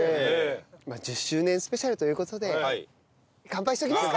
まあ１０周年スペシャルという事で乾杯しておきますか。